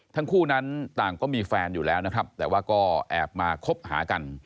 ทั้งคู่นั้นต่างก็มีแฟนอยู่แล้วนะครับแต่ว่าก็แอบมาคบหากัน